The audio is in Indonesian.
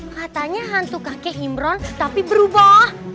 katanya hantu kakek imron tapi berubah